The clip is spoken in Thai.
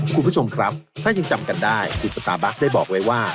คุณผู้ชมครับถ้ายังจำกันได้จุดสตาร์บัคได้บอกไว้ว่า